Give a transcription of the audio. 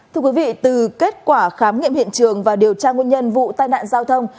thưa quý vị từ kết quả khám nghiệm hiện trường và điều tra nguyên nhân vụ tai nạn giao thông